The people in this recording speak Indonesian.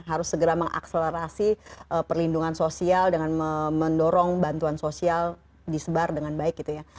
harus segera mengakselerasi perlindungan sosial dengan mendorong bantuan sosial disebar dengan baik gitu ya